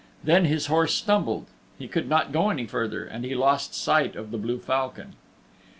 Then his horse stumbled; he could not go any further, and he lost sight of the blue falcon.